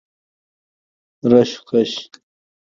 وش ﺯړه د راکي خوړين که